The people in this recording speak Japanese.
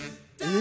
え？